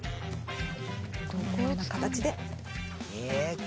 このような形で。